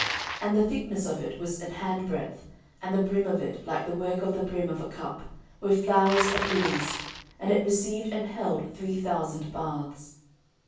14:004:005 And the thickness of it was an handbreadth, and the brim of it like the work of the brim of a cup, with flowers of lilies; and it received and held three thousand baths.